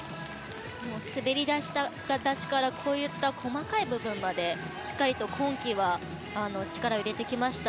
滑り出しから細かい部分までしっかりと今季は力を入れてきました。